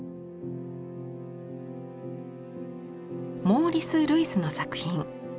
モーリス・ルイスの作品。